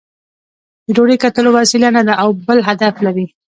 د ډوډۍ ګټلو وسیله نه ده او بل هدف لري.